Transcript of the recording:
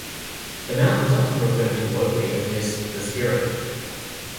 The mountain is often referred to locally as just The Skirrid.